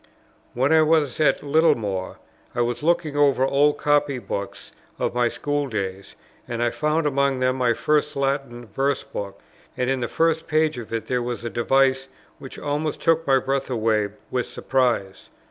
When I was at Littlemore, I was looking over old copy books of my school days, and I found among them my first Latin verse book; and in the first page of it there was a device which almost took my breath away with surprise.